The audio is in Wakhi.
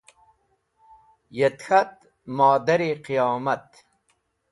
Yet k̃hat: Modar-e Qiyomat!